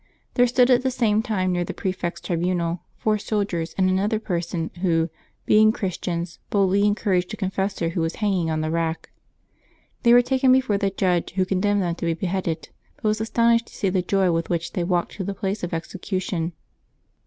There stood at the same time near the prefect's tribunal four soldiers and another person, who, being Christians, boldly encouraged a confessor who was hanging on the rack. They were taken before the judge, who condemned them to be beheaded, but was as tonished to see the joy with wdiich they walked to the place of execution.